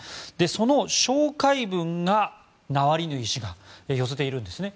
その紹介文をナワリヌイ氏が寄せているんですね。